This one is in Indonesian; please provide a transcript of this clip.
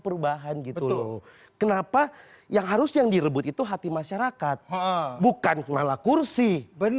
perubahan gitu loh kenapa yang harus yang direbut itu hati masyarakat bukan malah kursi